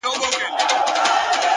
صبر د پخېدو هنر دی’